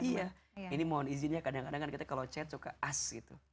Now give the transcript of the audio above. iya ini mohon izinnya kadang kadang kan kita kalau chat suka as gitu